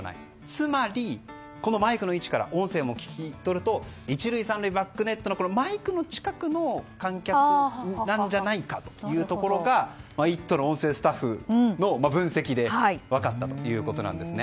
つまり、このマイクの位置から音声も聞き取ると１塁、３塁バックネットのマイクの近くの観客なんじゃないかというところが「イット！」の音声スタッフの分析で分かったということです。